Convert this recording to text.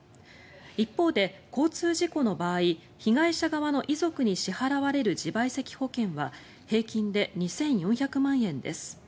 一方で、交通事故の場合被害者側の遺族に支払われる自賠責保険は平均で２４００万円です。